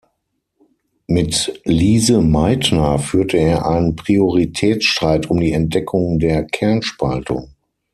Mit Lise Meitner führte er einen Prioritätsstreit um die Entdeckung der Kernspaltung.